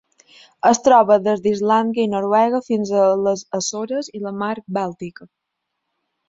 Es troba des d'Islàndia i Noruega fins a les Açores i la Mar Bàltica.